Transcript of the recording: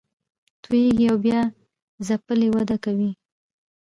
توییږي او بیا ځپلې وده کوي